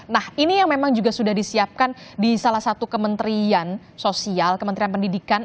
nah ini yang memang juga sudah disiapkan di salah satu kementerian sosial kementerian pendidikan